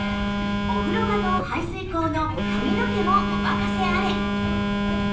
お風呂場の排水口の髪の毛もお任せあれ